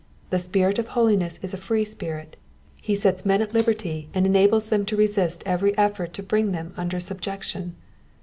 The Spirit of holiness is a free spirit ; he sets men at liberty and enables them to resist every effort to bring them under subjec tion.